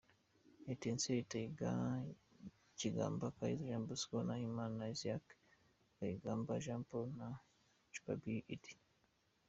Etincelles: Taiga, Gikamba, Akayezu Jean Bosco, Nahimana Isiaq, Kayigamba Jean Paul, Jumapili Iddy,.